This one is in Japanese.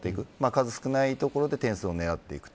数少ないところで点数を狙っていく。